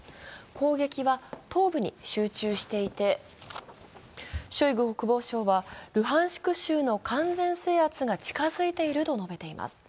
攻撃は東部に集中していてショイグ国防相はルハンシク州の完全制圧が近づいていると述べています。